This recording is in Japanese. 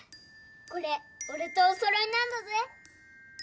これ俺とお揃いなんだぜ